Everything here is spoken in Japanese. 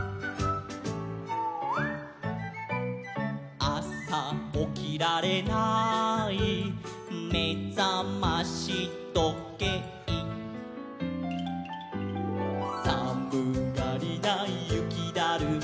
「あさおきられないめざましどけい」「さむがりなゆきだるま」